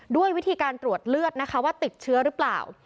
ด้วยวิธีการตรวจเลือดนะคะว่าติดเชื้อหรือเปล่า